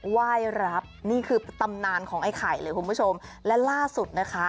ไหว้รับนี่คือตำนานของไอ้ไข่เลยคุณผู้ชมและล่าสุดนะคะ